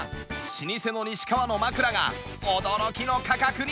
老舗の西川の枕が驚きの価格になりました！